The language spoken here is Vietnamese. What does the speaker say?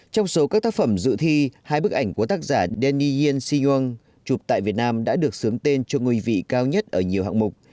trong số các tác phẩm dự thi hai bức ảnh của tác giả danny yen sinhong chụp tại việt nam đã được sướng tên cho người vị cao nhất ở nhiều hạng mục